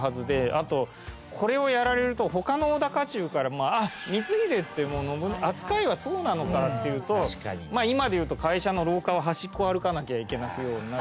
あとこれをやられると他の織田家中からも光秀って扱いはそうなのかっていうと今で言うと会社の廊下は端っこを歩かなきゃいけなくなる。